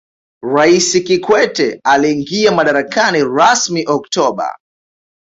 raisi kikwete aliingia madarakani rasmi oktoba